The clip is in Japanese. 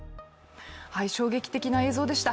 衝撃的な映像でした。